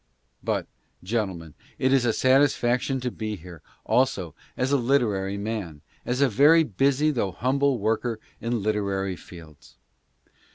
But, gentlemen, it is a satisfaction to be here, also, as a literary man, as a very busy though humble worker in literary fields.